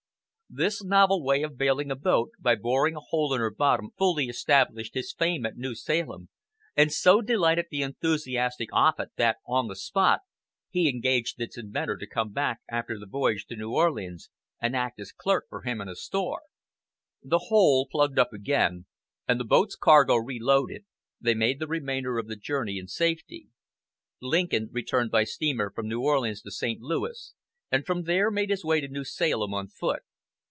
This novel method of bailing a boat by boring a hole in her bottom fully established his fame at New Salem, and so delighted the enthusiastic Offut that, on the spot, he engaged its inventor to come back after the voyage to New Orleans and act as clerk for him in a store. The hole plugged up again, and the boat's cargo reloaded, they made the remainder of the journey in safety. Lincoln returned by steamer from New Orleans to St. Louis, and from there made his way to New Salem on foot.